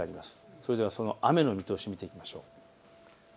それでは雨の見通しを見ていきましょう。